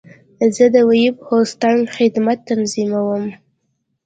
زه د ویب هوسټنګ خدمت تنظیموم.